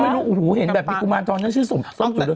ไม่รู้เห็นแบบมีกุมารตอนนั้นชื่อซ่อมฉุนหรือเปล่า